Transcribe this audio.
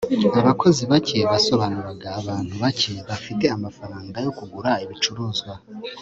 abakozi bake basobanuraga abantu bake bafite amafaranga yo kugura ibicuruzwa